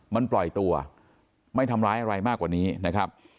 มันปล่อยตัวไม่ทำร้ายอะไรมากกว่านี้นะครับ